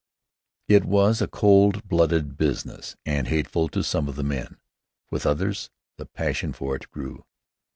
It was a cold blooded business, and hateful to some of the men. With others, the passion for it grew.